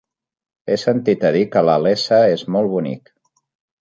He sentit a dir que la Iessa és molt bonic.